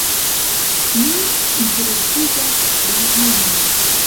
Mi interesiĝas pri homoj.